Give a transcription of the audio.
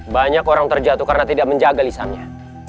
banyak orang terjatuh karena tidak menjaga lisannya